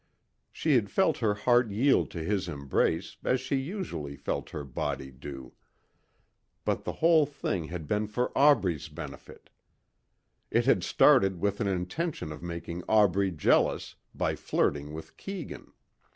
She had felt her heart yield to his embrace as she usually felt her body do. But the whole thing had been for Aubrey's benefit. It had started with an intention of making Aubrey jealous by flirting with Keegan.